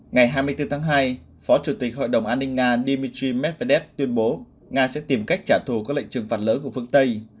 ngày hai mươi bốn tháng hai phó chủ tịch hội đồng an ninh nga dmitry medvedev tuyên bố nga sẽ tìm cách trả thù các lệnh trừng phạt lớn của phương tây